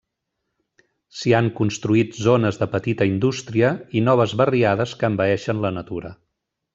S’hi han construït zones de petita indústria i noves barriades que envaeixen la natura.